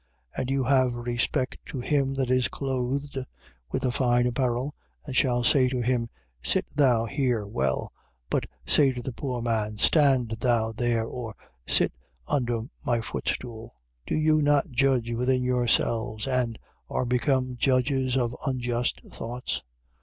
And you have respect to him that is clothed with the fine apparel and shall say to him: Sit thou here well: but say to the poor man: Stand thou there, or: Sit under my footstool: 2:4. Do you not judge within yourselves, and are become judges of unjust thoughts?